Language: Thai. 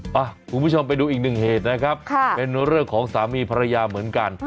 คุณผู้ชมไปดูอีกหนึ่งเหตุนะครับเป็นเรื่องของสามีภรรยาเหมือนกัน